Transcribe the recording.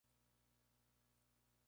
Se encuentra en la Isla Norfolk.